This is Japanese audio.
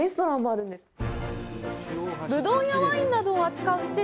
ぶどうやワインなどを扱う施設。